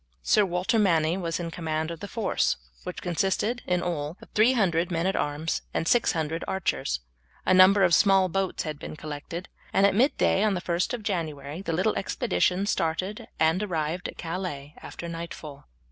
Sir Walter Manny was in command of the force, which consisted in all of 300 men at arms and 600 archers. A number of small boats had been collected, and at midday on the 1st of January the little expedition started, and arrived at Calais after nightfall.